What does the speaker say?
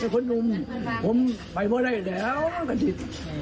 คนหนุ่มผมไปพอได้แต่ก็ทิศ